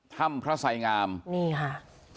ถ้ำพระไสงามนี่ค่ะ